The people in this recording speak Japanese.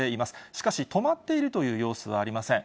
しかし、止まっているという様子はありません。